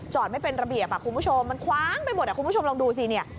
ไม่เป็นระเบียบคุณผู้ชมมันคว้างไปหมดคุณผู้ชมลองดูสิเนี่ย